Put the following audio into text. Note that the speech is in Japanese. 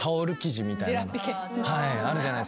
はいあるじゃないですか。